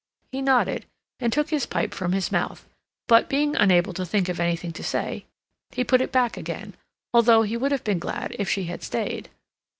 He nodded, and took his pipe from his mouth, but, being unable to think of anything to say, he put it back again, although he would have been glad if she had stayed.